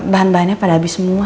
bahan bahannya pada habis semua